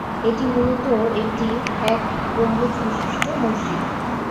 এটি মুলত একটি এক গম্বুজ বিশিষ্ট মসজিদ।